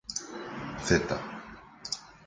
Zeta